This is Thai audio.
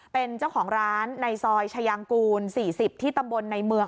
เป็นเจ้าของร้านในซอยชายางกูล๔๐ที่ตำบลในเมือง